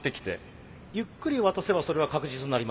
ゆっくり渡せばそれは確実になりますもんね。